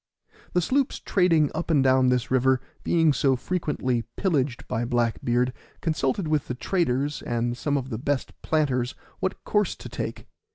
The sloops trading up and down this river being so frequently pillaged by Black beard, consulted with the traders and some of the best planters what course to take.